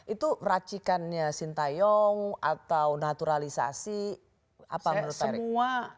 itu racikannya sinta yong atau naturalisasi apa menurut pak erik